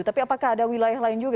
tapi apakah ada wilayah lain juga